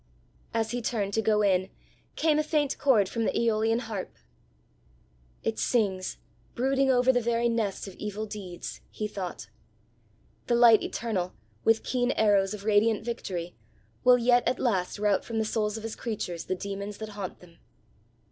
As he turned to go in, came a faint chord from the aeolian harp. "It sings, brooding over the very nest of evil deeds!" he thought. "The light eternal, with keen arrows of radiant victory, will yet at last rout from the souls of his creatures the demons that haunt them!